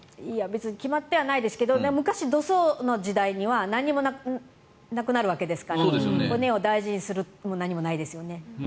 別に決まってはいないですが昔の土葬の時代は何もなくなるわけですから骨を大事にするも何もないですよね。